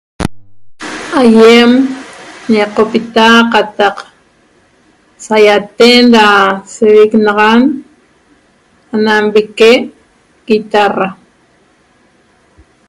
Aiem ñeqopita qataq saiaten ra sevicnaxan ana nvique guitarra